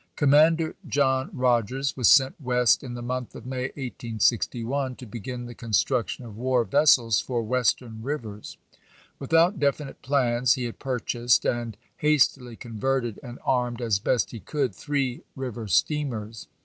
Commander John Rodgers was sent West in the month of May, 1861, to begin the construction of war vessels for Western rivers. Without definite plans, he had purchased, and has tily converted and armed as best he could, three river steamers.